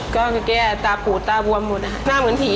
ก็เมื่อกี้ตาผูดตาบวมหมดอ่ะหน้าเหมือนผีอ่ะ